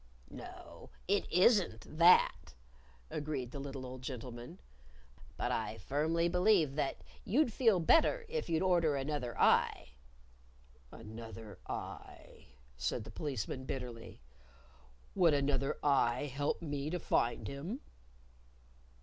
"No, it isn't that," agreed the little old gentleman; "but I firmly believe that, you'd feel better if you'd order another eye." "Another eye!" said the Policeman, bitterly. "Would another eye help me to find him?"